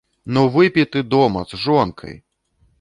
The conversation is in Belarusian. Ну выпі ты дома, з жонкай!